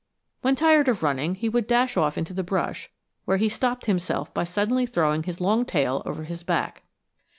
When tired of running he would dash off into the brush, where he stopped himself by suddenly throwing his long tail over his back.